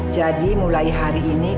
jadi mulai hari ini